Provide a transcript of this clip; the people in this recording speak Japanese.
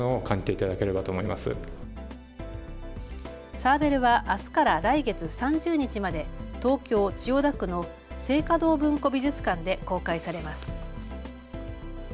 サーベルはあすから来月３０日まで東京千代田区の静嘉堂文庫美術館で公開されます。